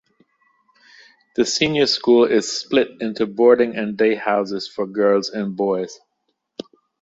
The Senior School is split into boarding and day houses for girls and boys.